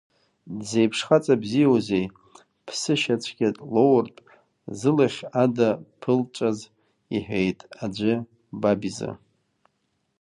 Дзеиԥш хаҵа бзиоузеи, ԥсышьацәгьа лоуртә, зылахь ада ԥылҵәаз, — иҳәеит аӡәы баб изы.